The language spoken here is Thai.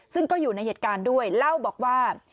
ซึ่งก็อยู่ในเหตุการณ์ด้วยเล่าบอกว่า